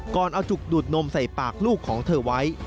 ก่อนเอาจุกดูดนมใส่ปากลูกของเธอไว้